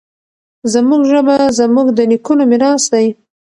زموږ ژبه زموږ د نیکونو میراث دی.